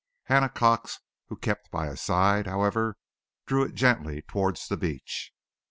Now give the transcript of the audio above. Hannah Cox, who kept by his side, however, drew it gently towards the beach.